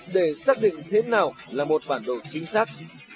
để xác định thế nào là một bản đồ chính xác